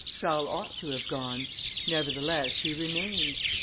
Charles ought to have gone; nevertheless he remained.